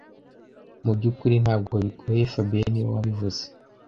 Mu byukuri ntabwo bigoye fabien niwe wabivuze